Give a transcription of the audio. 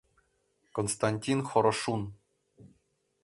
Константин ХОРОШУН